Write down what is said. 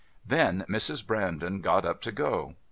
Then Mrs. Brandon got up to go.